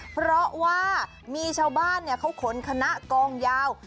เพราะว่ามีชาวบ้านเขาขนคณะกองยาว